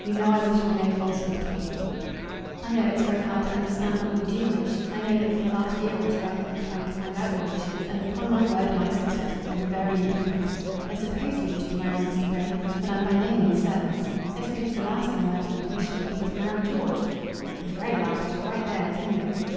"You know I wish for no falsehood, Kate." "I know it's very hard to understand what you do wish. I know that for the last year or two I have been trying to find out your wishes, and, upon my word, my success has been very indifferent. I suppose you wish to marry Mr. Grey, but I'm by no means certain. I suppose the last thing on earth you'd wish would be to marry George?" "The very last. You're right there at any rate."